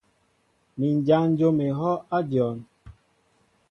Mi n jan jǒm ehɔʼ a dyɔn.